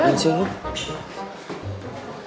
boleh dulu pak